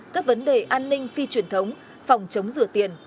các vấn đề an ninh phi truyền thống phòng chống rửa tiền